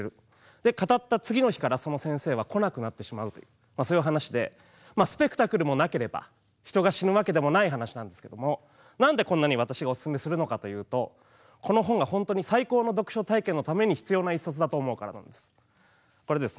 で語った次の日からその先生は来なくなってしまうというそういうお話でスペクタクルもなければ人が死ぬわけでもない話なんですけども何でこんなに私がおすすめするのかというとこの本が本当に最高の読書体験のために必要な一冊だと思うからなんです。